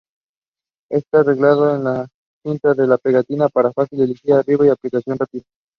A garden is expected to be installed once the rehabilitation is complete.